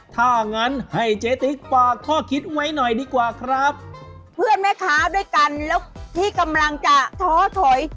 ถ้างั้นให้เจ๊ติ๊กฝากข้อคิดไว้หน่อยดีกว่าครับเพื่อนแม่ค้าด้วยกันแล้วที่กำลังจะท้อถอย